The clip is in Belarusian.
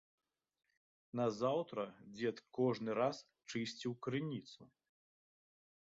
Назаўтра дзед кожны раз чысціў крыніцу.